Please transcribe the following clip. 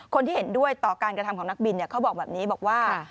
คนที่เห็นด้วยต่อการกระทำของนักบินเขาบอกแบบนี้บอกว่า